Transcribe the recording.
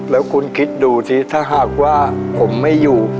แล้วคุณคิดดูสิถ้าหากว่าผมไม่อยู่